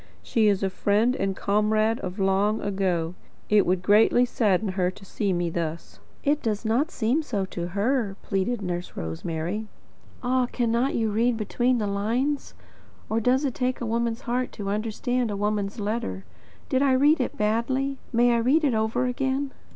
She is a friend and comrade of long ago. It would greatly sadden her to see me thus." "It does not seem so to her," pleaded Nurse Rosemary. "Ah, cannot you read between the lines? Or does it take a woman's heart to understand a woman's letter? Did I read it badly? May I read it over again?"